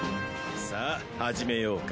さあ始めようか。